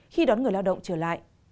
khi đón người lao động trở lại